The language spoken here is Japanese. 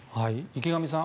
池上さん